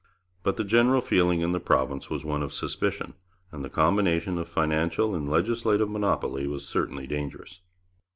But the general feeling in the province was one of suspicion, and the combination of financial and legislative monopoly was certainly dangerous.